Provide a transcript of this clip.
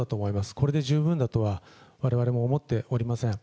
これで十分だとはわれわれも思っておりません。